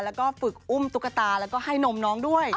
แล้วก็ฝึกอุ้มตุ๊กตาแล้วก็ให้นมน้องด้วย